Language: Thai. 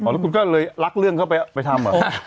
แล้วคุณก็เลยรักเรื่องเข้าไปทำเหรอ